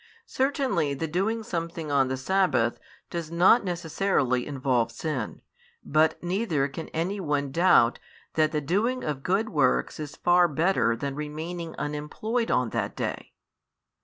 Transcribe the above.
Certainly the doing something on the sabbath, does not necessarily involve sin, but neither can any one doubt that the doing of good works is far better than remaining unemployed on that day.